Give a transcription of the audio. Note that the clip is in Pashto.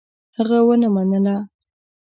هغه ونه منله.